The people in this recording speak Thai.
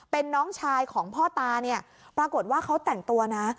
เป็นน้องชายของพ่อตาเนี่ยปรากฏว่าเขาแต่งตัวนะ